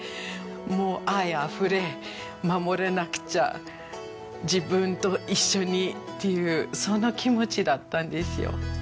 もう愛あふれ守らなくちゃ自分と一緒にっていうそんな気持ちだったんですよ。